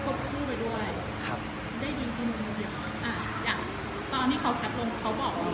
ตอนที่เขาแท็กลง